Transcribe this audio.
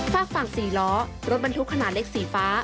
ฝากฝั่ง๔ล้อรถบรรทุกขนาดเล็กสีฟ้า